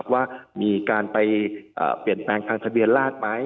ว่ามีการไปเปลี่ยนแปลงทางทะเบียนราชไหม